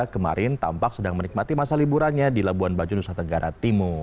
kemarin tampak sedang menikmati masa liburannya di labuan bajo nusa tenggara timur